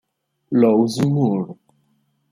Lowes Moore